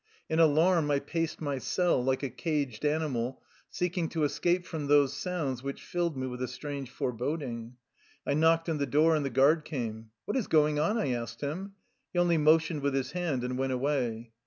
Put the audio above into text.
In alarm I paced my cell, like a caged animal, seeking to escape from tbose sounds which filled me with a strange foreboding. I knocked on the door, and the guard came. "What is going on?" I asked him. He only motioned with his hand, and went away.